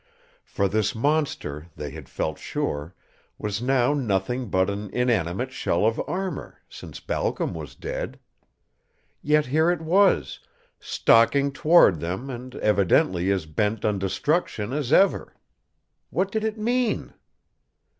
For this monster, they had felt sure, was now nothing but an inanimate shell of armor, since Balcom was dead. Yet here it was, stalking toward them and evidently as bent on destruction as ever. What did it mean?